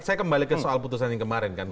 saya kembali ke soal putusan yang kemarin kan